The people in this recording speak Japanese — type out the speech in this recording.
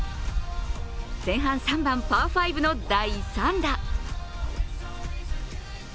前半３番パー５の第３打。